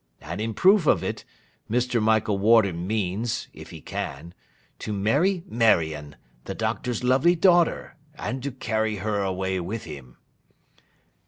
And in proof of it, Mr. Michael Warden means, if he can, to marry Marion, the Doctor's lovely daughter, and to carry her away with him.